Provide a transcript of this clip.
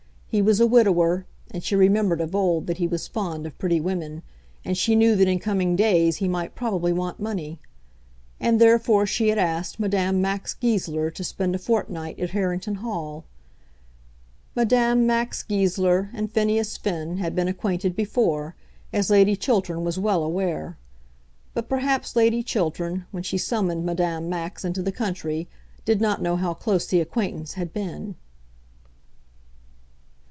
He was a widower, and she remembered of old that he was fond of pretty women, and she knew that in coming days he might probably want money; and therefore she had asked Madame Max Goesler to spend a fortnight at Harrington Hall. Madame Max Goesler and Phineas Finn had been acquainted before, as Lady Chiltern was well aware. But perhaps Lady Chiltern, when she summoned Madame Max into the country, did not know how close the acquaintance had been.